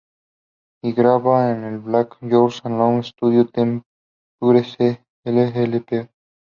Y graba en el Black Floyd Analog Studio de Tampere su L.p.